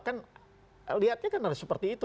kan lihatnya kan harus seperti itu